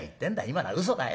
今のはうそだよ。